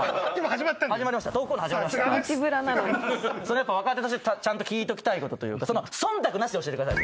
やっぱ若手としてちゃんと聞いときたいことというか忖度なしで教えてください